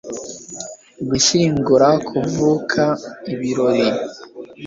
gushyingura, kuvuka, ibirori